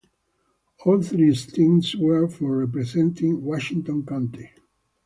All three stints were for representing Washington County.